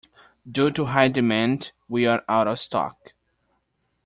Due to high demand, we are out of stock.